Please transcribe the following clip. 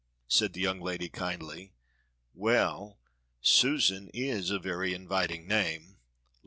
said the young lady kindly. "Well! Susan is a very inviting name."